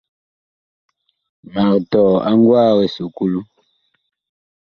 Mag tɔɔ a ngwaag esukulu.